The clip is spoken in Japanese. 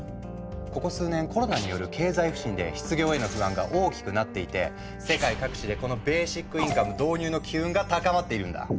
ここ数年コロナによる経済不振で失業への不安が大きくなっていて世界各地でこのベーシックインカム導入の機運が高まっているんだ。